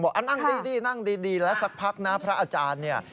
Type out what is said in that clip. บอกนั่งดีแล้วสักพักนะพระอาจารย์